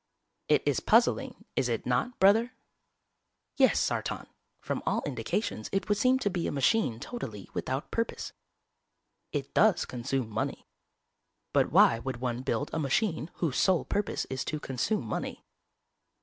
"It is puzzling, is it not, Brother?" "Yes, Sartan. From all indications it would seem to be a machine totally without purpose." "It does consume money." "_But why would one build a machine whose sole purpose is to consume money?